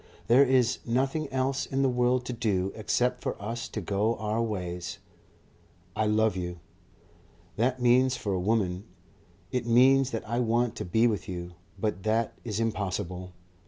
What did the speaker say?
There is nothing else in the world to do except for us to go our ways.... I love you. That means for a woman It means that I want to be with you. But that is impossible....